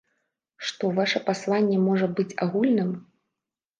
Што ваша пасланне можа быць агульным?